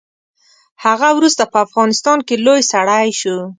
هغه وروسته په افغانستان کې لوی سړی شو.